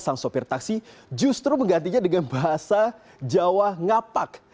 sang sopir taksi justru menggantinya dengan bahasa jawa ngapak